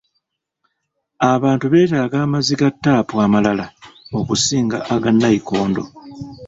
Abantu beetaaga amazzi ga ttaapu amalala okusinga aga nayikondo.